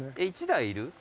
１台いる？